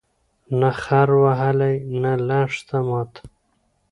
نه خر وهلی، نه لښته ماته